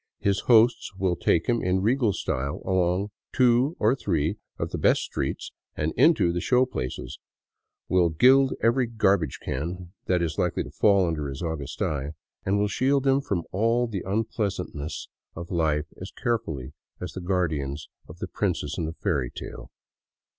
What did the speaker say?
His hosts will take him in regal style along two or three of the best streets and into the show places, will gild every garbage can that is likely to fall under his august eye, and will shield him from all the unpleasantnesses of life as carefully as the guardians of the princess in the fairy tale.